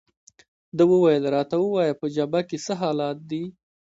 ده وویل: راته ووایه، په جبهه کې څه حالات دي؟